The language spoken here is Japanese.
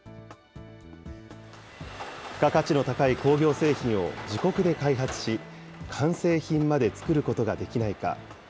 付加価値の高い工業製品を自国で開発し、完成品までつくることができないか。